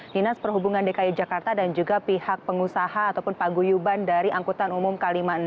dinas perhubungan dki jakarta dan juga pihak pengusaha ataupun paguyuban dari angkutan umum k lima puluh enam